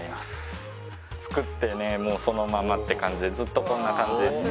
作ってねもうそのままって感じでずっとこんな感じですね。